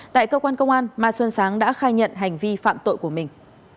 tại cơ quan công an mai xuân sáng đã khai nhận hành vi phạm tội của mình